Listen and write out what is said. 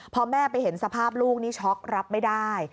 พอแม่ไปเห็นสภาพลูกนี่ช็อกรับไม่ได้